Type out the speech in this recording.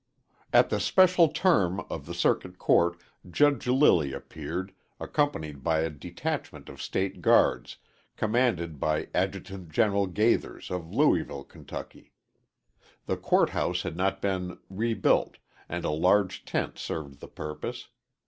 At the special term of the Circuit Court, Judge Lilly appeared, accompanied by a detachment of State Guards, commanded by Adjutant General Gaithers of Louisville, Ky. The court house had not been rebuilt and a large tent served the purpose.